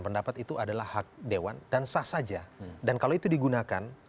pendapat itu adalah hak dewan dan sah saja dan kalau itu digunakan